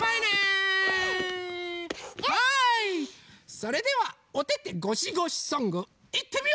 それではおててごしごしソングいってみよ！